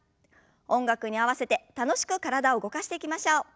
音楽に合わせて楽しく体を動かしていきましょう。